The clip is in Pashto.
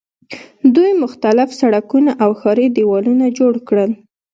دوی مختلف سړکونه او ښاري دیوالونه جوړ کړل.